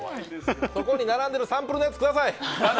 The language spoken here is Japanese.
そこに並んでるサンプルのやつ、ください。